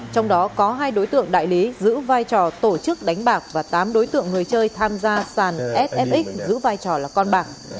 trong đó có hai đối tượng đại lý giữ vai trò tổ chức đánh bạc và tám đối tượng người chơi tham gia sàn sf giữ vai trò là con bạc